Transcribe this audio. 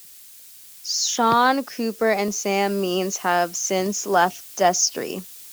Shaun Cooper and Sam Means have since left Destry.